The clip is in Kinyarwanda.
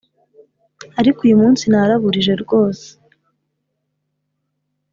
ariko uyu munsi naraburije rwose